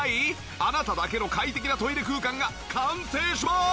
あなただけの快適なトイレ空間が完成します！